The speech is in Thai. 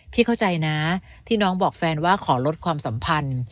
เข้าใจนะที่น้องบอกแฟนว่าขอลดความสัมพันธ์